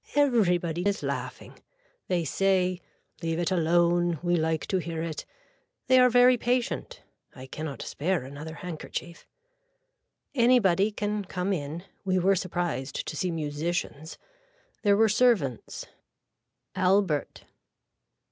Everybody is laughing. They say (Leave it alone. We like to hear it.) They are very patient. (I cannot spare another handkerchief.) Anybody can come in. We were surprised to see musicians. There were servants. (Albert.)